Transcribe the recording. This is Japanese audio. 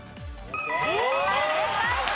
正解！